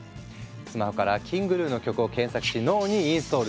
スマホからＫｉｎｇＧｎｕの曲を検索し脳にインストール。